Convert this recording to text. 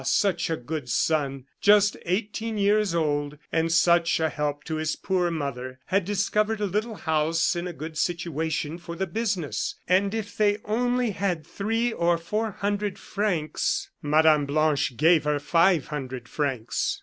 such a good son! just eighteen years old, and such a help to his poor mother had discovered a little house in a good situation for the business, and if they only had three or four hundred francs Mme. Blanche gave her five hundred francs.